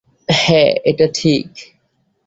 হা, এটা ঠিক।